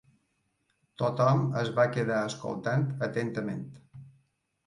Tothom es va quedar escoltant atentament.